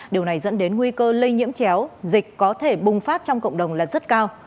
điều này dẫn đến nguy cơ lây nhiễm chéo dịch có thể bùng phát trong cộng đồng là rất cao